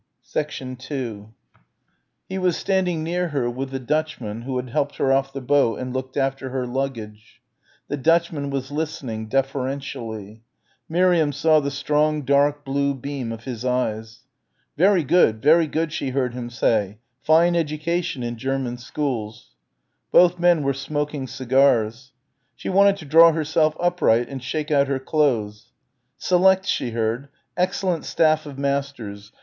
2 He was standing near her with the Dutchman who had helped her off the boat and looked after her luggage. The Dutchman was listening, deferentially. Miriam saw the strong dark blue beam of his eyes. "Very good, very good," she heard him say, "fine education in German schools." Both men were smoking cigars. She wanted to draw herself upright and shake out her clothes. "Select," she heard, "excellent staff of masters